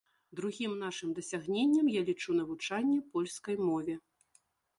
Другім нашым дасягненнем я лічу навучанне польскай мове.